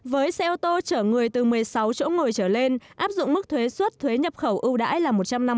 với xe ô tô chở người từ một mươi sáu chỗ ngồi trở lên áp dụng mức thuế xuất thuế nhập khẩu ưu đãi là một trăm năm mươi